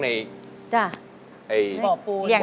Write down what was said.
ในขวบวน